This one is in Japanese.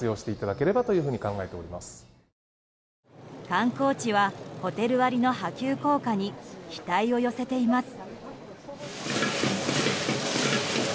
観光地はホテル割の波及効果に期待を寄せています。